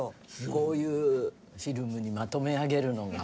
こういうフィルムにまとめあげるのが。